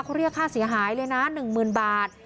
เขาเรียกค่าเสียหายเลยนะหนึ่งหมื่นบาท